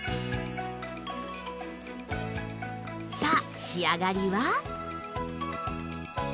さあ仕上がりは？